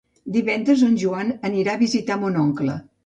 Divendres en Joan anirà a visitar mon oncle.